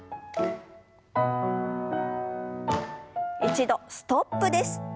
一度ストップです。